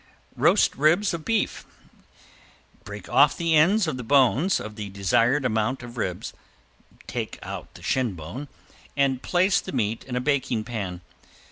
~ROAST RIBS OF BEEF~ Break off the ends of the bones of the desired amount of ribs; take out the shin bone, and place the meat in a baking pan.